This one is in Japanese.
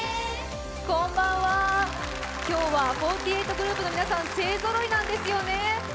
こんばんは、今日は４８グループの皆さん、勢ぞろいなんですよね。